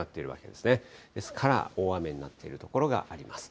ですから大雨になってる所があります。